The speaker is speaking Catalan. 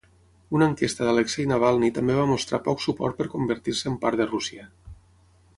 Una enquesta d'Alexei Navalny també va mostrar poc suport per convertir-se en part de Rússia.